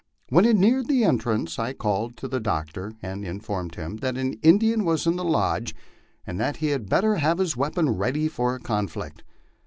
When it neared the entrance I called to the doctor and informed him that an Indian was in the lodge, and that he had better have his weapons ready for a conflict.